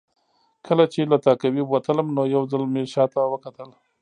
کله چې له تهکوي وتلم نو یو ځل مې شا ته وکتل